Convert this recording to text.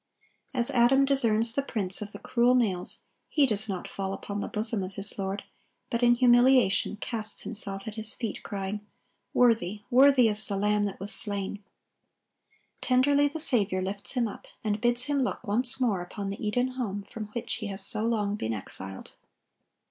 As Adam discerns the prints of the cruel nails, he does not fall upon the bosom of his Lord, but in humiliation casts himself at His feet, crying, "Worthy, worthy is the Lamb that was slain!" Tenderly the Saviour lifts him up, and bids him look once more upon the Eden home from which he has so long been exiled.